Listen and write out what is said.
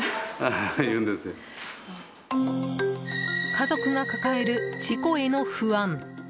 家族が抱える事故への不安。